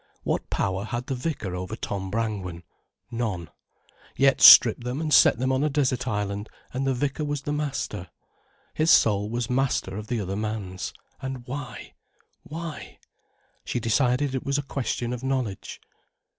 What power had the vicar over Tom Brangwen—none. Yet strip them and set them on a desert island, and the vicar was the master. His soul was master of the other man's. And why—why? She decided it was a question of knowledge.